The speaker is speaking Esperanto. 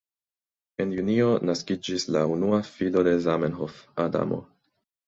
En Junio naskiĝis la unua filo de Zamenhof, Adamo.